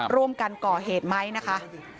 ร่วมกันก่อเหตุไหมนะคะ